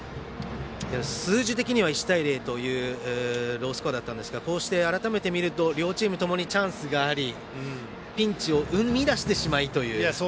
数字的には１対０というロースコアでしたがこうして改めて見ると両チームともにチャンスがありピンチを生み出してしまいという。